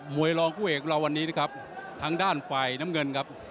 วยรองคู่เอกของเราวันนี้นะครับทางด้านฝ่ายน้ำเงินครับ